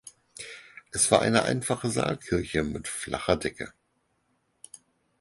Es war eine einfache Saalkirche mit flacher Decke.